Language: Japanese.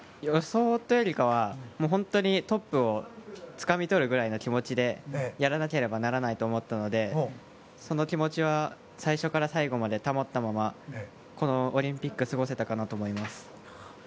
予想というよりかは本当にトップをつかみ取るぐらいの気持ちでやらなければならないと思ったのでその気持ちは最初から最後まで保ったままこのオリンピックを過ごせたかなと思います。